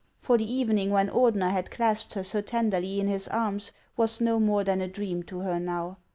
For the evening when Ordener had clasped her so tenderly in his arms was no more than a dream to her now.